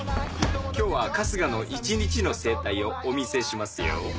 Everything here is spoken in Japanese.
今日は春日の一日の生態をお見せしますよ。